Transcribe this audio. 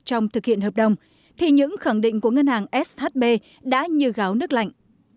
trong thực hiện hợp đồng thì những khẳng định của ngân hàng shb đã như gáo nước lạnh